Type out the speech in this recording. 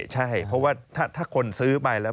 ใช่เพราะว่าถ้าคนซื้อไปแล้ว